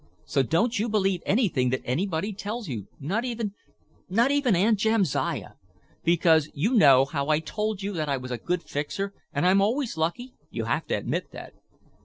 So don't you believe anything that anybody tells you, not even—not even Aunt Jamsiah. Because you know how I told you I was a good fixer and I'm always lucky, you have to admit that."